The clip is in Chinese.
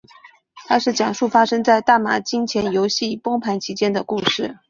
这是讲述发生在大马金钱游戏崩盘期间的故事。